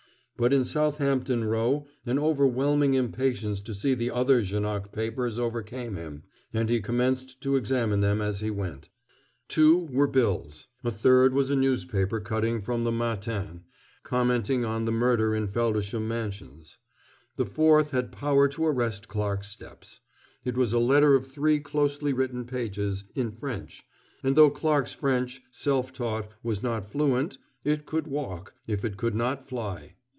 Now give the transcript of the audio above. But in Southampton Row an overwhelming impatience to see the other Janoc papers overcame him, and he commenced to examine them as he went. Two were bills. A third was a newspaper cutting from the Matin commenting on the murder in Feldisham Mansions. The fourth had power to arrest Clarke's steps. It was a letter of three closely written pages in French; and though Clarke's French, self taught, was not fluent, it could walk, if it could not fly.